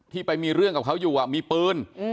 ไปมีเรื่องกับเขาอยู่มีปืน